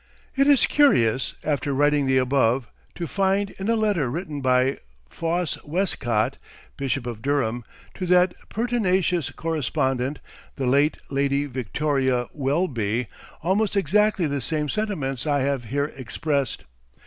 It is curious, after writing the above, to find in a letter written by Foss Westcott, Bishop of Durham, to that pertinacious correspondent, the late Lady Victoria Welby, almost exactly the same sentiments I have here expressed.